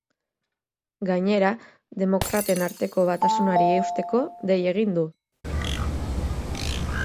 Gainera, demokraten arteko batasunari eusteko dei egin du.